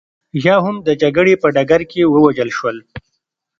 یا هم د جګړې په ډګر کې ووژل شول